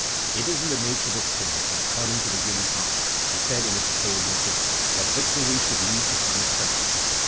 "It is in the nature of things and according to the human heart," he said in his pale missive, "that victory should lead to some excesses.